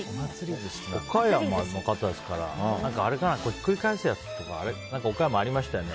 岡山の方ですからひっくり返すやつとか何か、岡山ありましたよね。